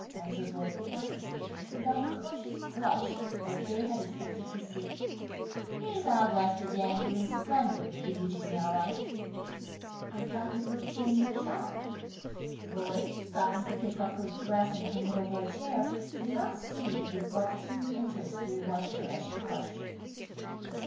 answered Lloyd placidly, without the conscious blush that Gay had expected to see. "He is out West again, doing splendidly, Eugenia writes." "I thought you wrote to him yourself." Lloyd, stooping to pick up her dress and hang it over a chair, did not see with what keen interest Gay watched her as she questioned.